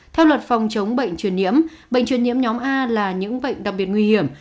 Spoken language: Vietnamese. theo luật phòng chống bệnh truyền nhiễm bệnh truyền nhiễm nhóm a là những bệnh đặc biệt nguy hiểm